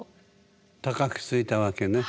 高くついたわけね。